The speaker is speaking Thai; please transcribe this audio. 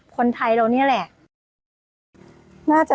กล้วยทอด๒๐๓๐บาท